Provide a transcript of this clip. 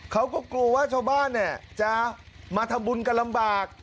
เขาก็กลัวว่าชาวบ้านจะมาทำบุญกันลำบาก